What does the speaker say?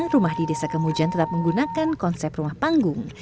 rumah di desa kemujan tetap menggunakan konsep rumah panggung